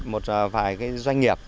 một vài doanh nghiệp